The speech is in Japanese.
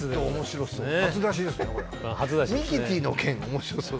面白そう。